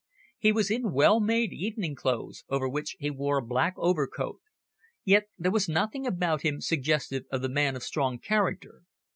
He was in well made evening clothes, over which he wore a black overcoat, yet there was nothing about him suggestive of the man of strong character.